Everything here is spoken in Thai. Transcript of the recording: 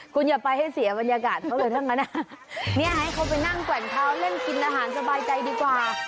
คุณอย่าไปให้เสียบรรยากาศเขาเลยทั้งนั้นเนี่ยให้เขาไปนั่งแกว่งเท้าเล่นกินอาหารสบายใจดีกว่า